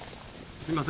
すみません。